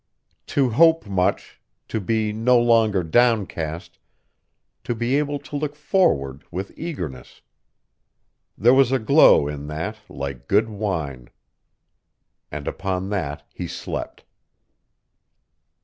To hope much, to be no longer downcast, to be able to look forward with eagerness. There was a glow in that like good wine. And upon that he slept.